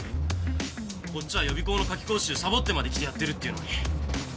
こっちは予備校の夏期講習サボってまで来てやってるっていうのに。